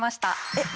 えっ？